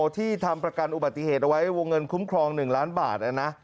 ที่ทำประกันอุบัติเหตุเอาไว้วงเงินคุ้มครอง๑ล้านบาท